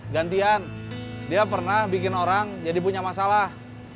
gantian dia pernah bikin orang jadi punya masalah